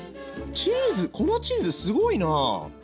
チーズこのチーズすごいな。